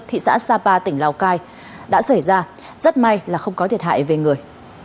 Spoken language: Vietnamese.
thị xã sapa tỉnh lào cai đã xảy ra rất may là không có thiệt hại về người